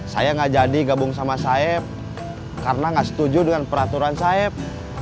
saya gak jadi gabung sama saeb karena gak setuju dengan peraturan saeb